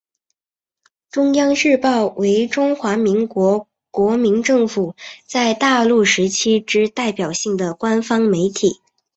中央日报为中华民国国民政府在大陆时期之代表性的官方媒体。